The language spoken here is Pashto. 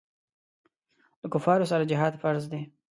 له کفارو سره جهاد فرض دی.